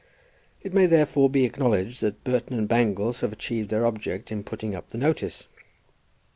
It may therefore be acknowledged that Burton and Bangles have achieved their object in putting up the notice.